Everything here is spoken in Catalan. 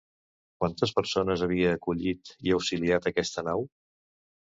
Quantes persones havia acollit i auxiliat aquesta nau?